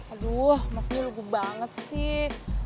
aduh maksudnya lu gugup banget sih